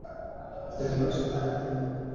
Please ভাইসাব, একটু ব্যক্তিগত।